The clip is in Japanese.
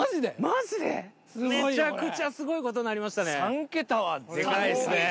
めちゃくちゃすごいことになりましたね。